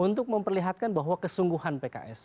untuk memperlihatkan bahwa kesungguhan pks